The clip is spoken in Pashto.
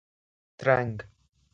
ترنګ